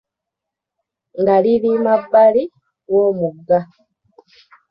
Nga liri mabbali w'omugga.